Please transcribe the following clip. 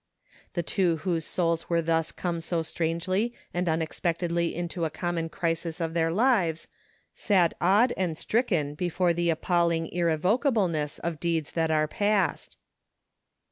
The two whose souls were thus come so strangely and unexpectedly into a common crisis of their lives sat awed and stricken before the appalling irrevocable ness of deeds that are past.